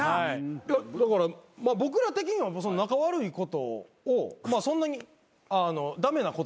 いやだから僕ら的には仲悪いことをそんなに駄目なことやと思ってない。